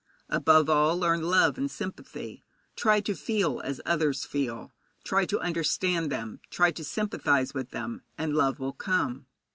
Above all, learn love and sympathy. Try to feel as others feel, try to understand them, try to sympathize with them, and love will come.